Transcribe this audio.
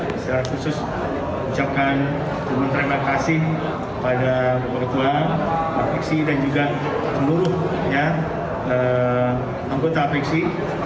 secara khusus ucapkan terima kasih kepada pemerintah apeksi dan juga seluruh penggota apeksi